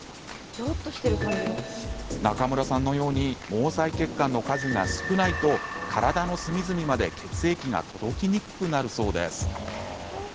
中村さんのように毛細血管の数が少ないと体の隅々まで血液が届きにくくなるそうです。